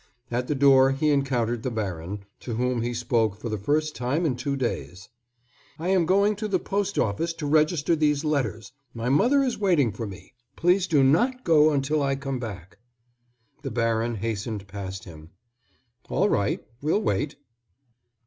At the door he encountered the baron, to whom he spoke for the first time in two days. "I am going to the post office to register these letters. My mother is waiting for me. Please do not go until I come back." The baron hastened past him. "All right. We'll wait."